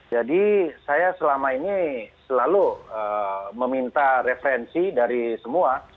jadi saya selama ini selalu meminta referensi dari semua